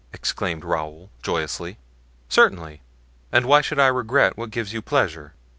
exclaimed Raoul, joyously. "Certainly; and why should I regret what gives you pleasure?"